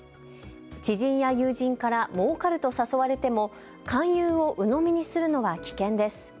知人や友人からもうかると誘われても勧誘をうのみにするのは危険です。